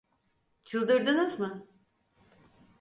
Çıldırdınız mı?